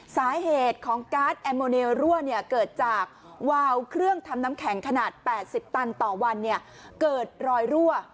สาเหตุของการ์ดแอมโมเนียรั่วเกิดจากวาวเครื่องทำน้ำแข็งขนาด๘๐ตันต่อวันเกิดรอยรั่ว